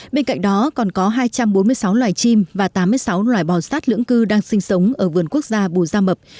bên cạnh đó còn có hai trăm bốn mươi sáu loài chim và tám mươi sáu loài bò sát lưỡng cư đang sinh sống ở vườn quốc gia bù gia mập